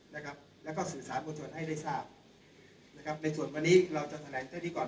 นะครับแล้วก็สื่อสารมวลชนให้ได้ทราบนะครับในส่วนวันนี้เราจะแถลงเท่านี้ก่อน